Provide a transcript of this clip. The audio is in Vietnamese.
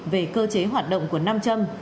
về cơ chế hoạt động của nam châm